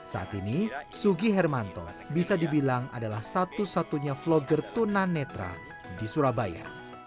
saat ini sugi hartanto bisa dibilang adalah satu satunya vlogger tunar netra di surabaya